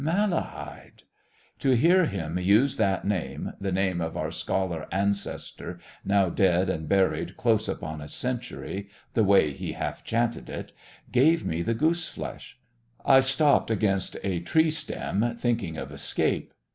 Malahide...! To hear him use that name, the name of our scholar ancestor, now dead and buried close upon a century the way he half chanted it gave me the goose flesh. I stopped against a tree stem, thinking of escape.